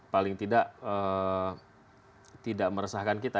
paling tidak tidak meresahkan kita